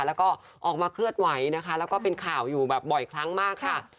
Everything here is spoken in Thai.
แล้วก็ออกมาเคลื่อนไหวนะคะแล้วก็เป็นข่าวอยู่แบบบ่อยครั้งมากค่ะ